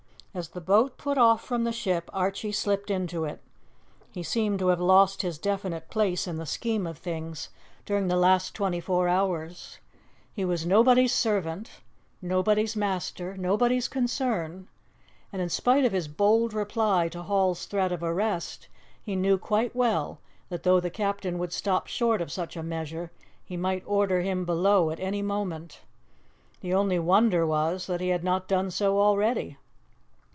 As the boat put off from the ship Archie slipped into it; he seemed to have lost his definite place in the scheme of things during the last twenty four hours; he was nobody's servant, nobody's master, nobody's concern; and in spite of his bold reply to Hall's threat of arrest, he knew quite well that though the captain would stop short of such a measure, he might order him below at any moment; the only wonder was that he had not done so already.